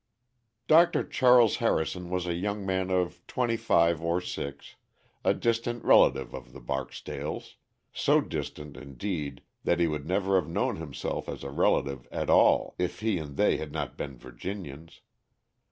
"_ Dr. Charles Harrison was a young man of twenty five or six, a distant relative of the Barksdales so distant indeed that he would never have known himself as a relative at all, if he and they had not been Virginians.